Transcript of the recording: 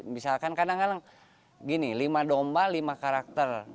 misalkan kadang kadang gini lima domba lima karakter